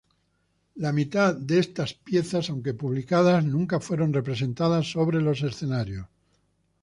La mitad de estas piezas, aunque publicadas, nunca fueron representadas sobre los escenarios.